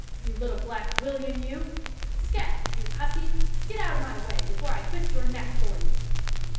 you little black willyan, you! 'Scat! you hussy! get out o' my way, before I twist your neck for you!"